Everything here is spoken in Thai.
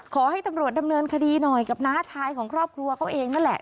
ขอให้ตำรวจดำเนินคดีหน่อยกับน้าชายของครอบครัวเขาเองนั่นแหละ